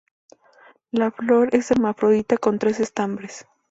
La flor es hermafrodita con tres estambres.